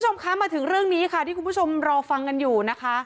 คุณผู้ชมคะมาถึงเรื่องนี้ค่ะที่คุณผู้ชมรอฟังกันอยู่นะคะ